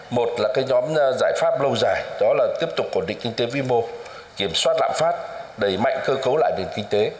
một là cái nhóm giải pháp lâu dài đó là tiếp tục ổn định kinh tế vĩ mô kiểm soát lạm phát đẩy mạnh cơ cấu lại nền kinh tế